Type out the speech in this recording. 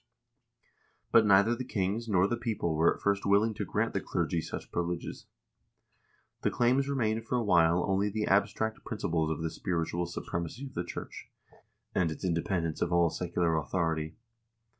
But neither the kings nor the people were at first willing to grant the clergy such privileges. The claims re mained for a while only the abstract principles of the spiritual su premacy of the church, and its independence of all secular authority.